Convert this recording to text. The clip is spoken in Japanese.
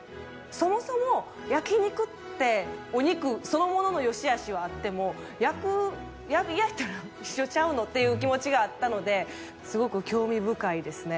そもそも焼肉ってお肉そのものの良し悪しはあっても焼く。っていう気持ちがあったのですごく興味深いですね。